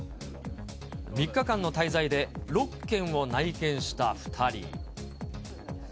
３日間の滞在で６軒を内見した２人。